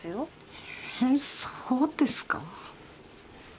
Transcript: えっそうですか？